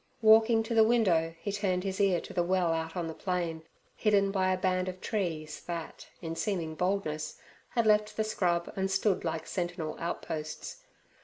Walking to the window, he turned his ear to the well out on the plain, hidden by a band of trees that, in seeming boldness, had left the scrub and stood like sentinel outposts.